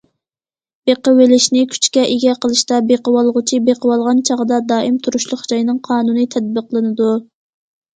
بېقىۋېلىشنى كۈچكە ئىگە قىلىشتا، بېقىۋالغۇچى بېقىۋالغان چاغدا دائىم تۇرۇشلۇق جاينىڭ قانۇنى تەتبىقلىنىدۇ.